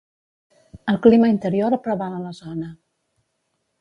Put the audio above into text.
El clima interior preval a la zona.